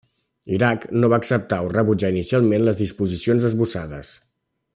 Iraq no va acceptar o rebutjar inicialment les disposicions esbossades.